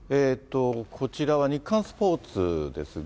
こちらは日刊スポーツですが。